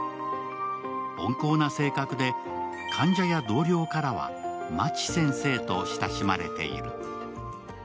温厚な性格で、患者や同僚からはマチ先生と親しまれている。